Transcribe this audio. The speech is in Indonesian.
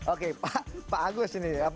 oke pak agus ini